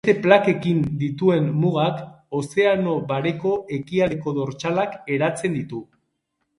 Beste plakekin dituen mugak, Ozeano Bareko Ekialdeko dortsalak eratzen ditu.